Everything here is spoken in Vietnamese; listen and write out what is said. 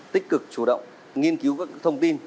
tích cực chủ động nghiên cứu các thông tin